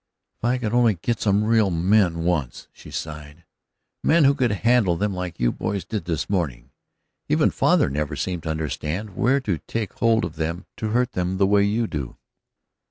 "If I could only get some real men once," she sighed; "men who could handle them like you boys did this morning. Even father never seemed to understand where to take hold of them to hurt them, the way you do."